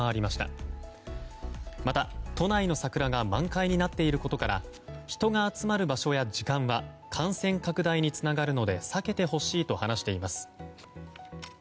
また都内の桜が満開になっていることから人が集まる場所や時間は感染拡大につながるので避けてほしいと話しています。